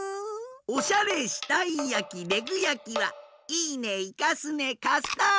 おしゃれしたいやきレグやきはいいねいかすねカスタード！